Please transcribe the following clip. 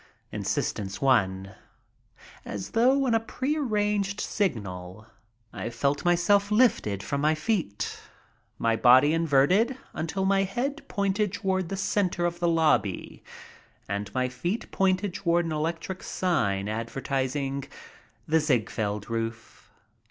'' Insistence won. As though on a prearranged signal I felt myself lifted from my feet, my body inverted until my head pointed toward the center of the lobby and my feet pointed toward an electric sign advertising the Ziegfeld Roof.